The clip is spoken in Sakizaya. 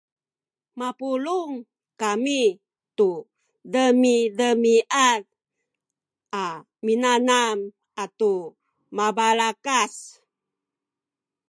mapulung kami tu demidemiad a minanam atu mabalakas